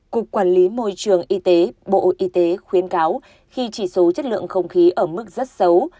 cục quản lý môi trường y tế bộ y tế khuyến cáo khi chỉ số chất lượng không khí ở mức rất xấu